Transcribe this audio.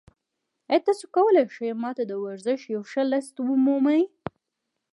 ایا تاسو کولی شئ ما ته د ورزش یو ښه لیست ومومئ؟